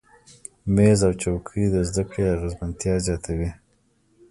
میز او چوکۍ د زده کړې اغیزمنتیا زیاتوي.